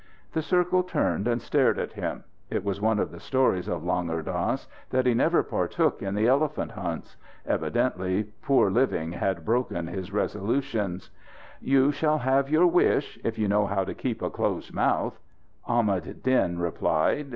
The circle turned and stared at him. It was one of the stories of Langur Dass that he never partook in the elephant hunts. Evidently poor living had broken his resolutions. "You shall have your wish, if you know how to keep a closed mouth," Ahmad Din replied.